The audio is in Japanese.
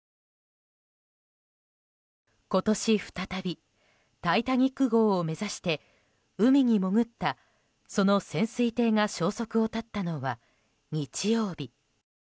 今年再び「タイタニック号」を目指して海に潜ったその潜水艇が消息を絶ったのは日曜日。